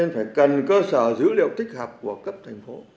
và giữ liệu tích hợp của cấp thành phố